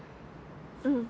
うん。